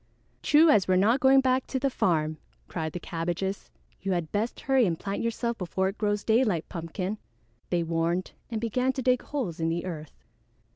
"True as we're not going back to the farm," cried the Cabbages. "You had best hurry and plant yourself before it grows daylight, Pumpkin," they warned and began to dig holes in the earth.